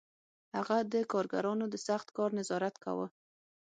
هغه د کارګرانو د سخت کار نظارت کاوه